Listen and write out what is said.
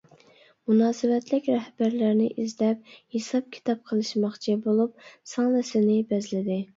مۇناسىۋەتلىك رەھبەرلەرنى ئىزدەپ ھېساب-كىتاب قىلىشماقچى بولۇپ سىڭلىسىنى بەزلىدى.